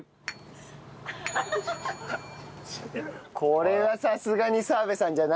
これはさすがに澤部さんじゃないな。